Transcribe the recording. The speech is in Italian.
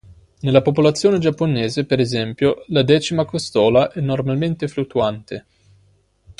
Nella popolazione giapponese, per esempio, la decima costola è normalmente fluttuante.